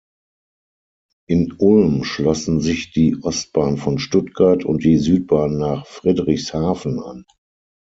In Ulm schlossen sich die Ostbahn von Stuttgart und die Südbahn nach Friedrichshafen an.